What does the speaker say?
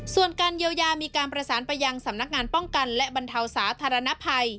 ส่วนการเยียวยามีการประสานไปยังสำนักงานป้องกันและบรรเทาสาธารณภัย